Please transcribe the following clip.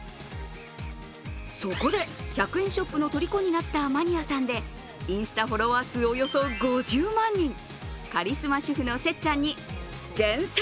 そこで１００円ショップのとりこになったマニアさんで、インスタフォロワー数およそ５０万人カリスマ主婦のせっちゃんに厳選！